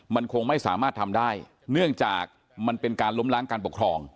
มันคงไม่สามารถทำได้เนื่องจากมันเป็นการล้มล้างการปกครอง